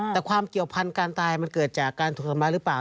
แต่ความเกี่ยวพันธ์การตายมันเกิดจากการถูกทำร้ายหรือเปล่า